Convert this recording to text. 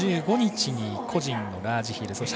１５日に個人のラージヒル。